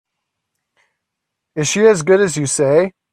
Is she as good as you say?